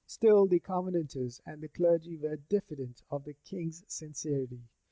Still the Covenanters and the clergy were diffident of the king's sincerity.